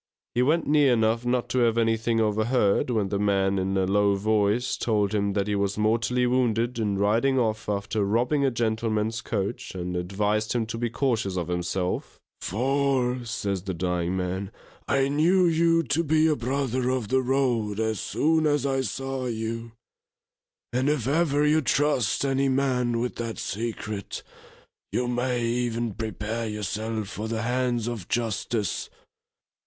He went near enough not to have anything overheard, when the man in a low voice, told him that he was mortally wounded in riding off after robbing a gentleman's coach, and advised him to be cautious of himself, For, says the dying man, _I knew you to be a brother of the road as soon as I saw you; and if ever you trust any man with that secret, you may even prepare yourself for the hands of justice.